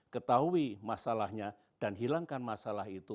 ketahui masalahnya dan hilangkan masalah itu